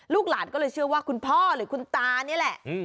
หลานก็เลยเชื่อว่าคุณพ่อหรือคุณตานี่แหละ